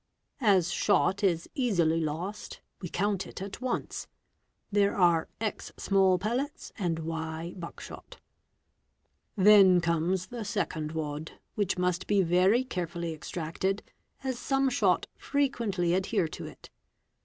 As shot is easily lost, we count it at once: there are « small pellets and y buck shot. Then comes the second wad, which must be very carefully extracted, as some shot frequently adhere to it.